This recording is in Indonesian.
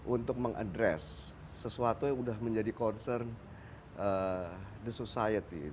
untuk mengadres sesuatu yang sudah menjadi concern the society